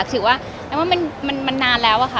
ถือว่ามันนานแล้วอะค่ะ